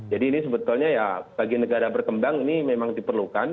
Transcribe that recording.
jadi ini sebetulnya ya bagi negara berkembang ini memang diperlukan